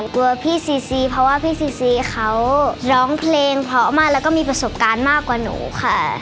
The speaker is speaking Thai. กลัวพี่ซีซีเพราะว่าพี่ซีซีเขาร้องเพลงเพราะมากแล้วก็มีประสบการณ์มากกว่าหนูค่ะ